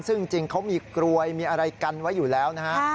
ซึ่งจริงเขามีกลวยมีอะไรกันไว้อยู่แล้วนะฮะ